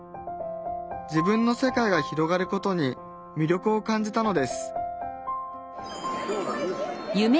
自分の世界が広がることに魅力を感じたのです